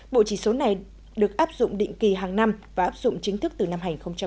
bộ chỉ số này được áp dụng định kỳ hàng năm và áp dụng chính thức từ năm hai nghìn một mươi chín